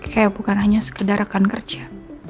kayak bukan hanya sekedar rekan kerja